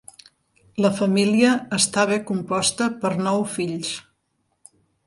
La família estava composta per nou fills.